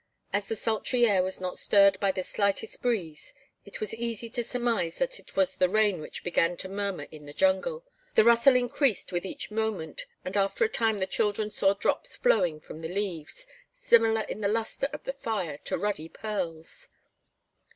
As the sultry air was not stirred by the slightest breeze, it was easy to surmise that it was the rain which began to murmur in the jungle. The rustle increased with each moment and after a time the children saw drops flowing from the leaves, similar in the luster of the fire to ruddy pearls.